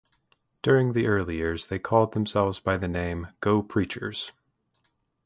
During the early years, they called themselves by the name "Go-Preachers".